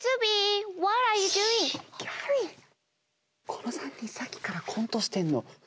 この３人さっきからコントしてんの。